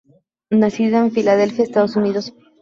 Nacida en Filadelfia, Estados Unidos.